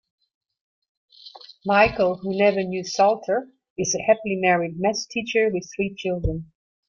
Michael, who never knew Salter, is a happily married maths teacher with three children.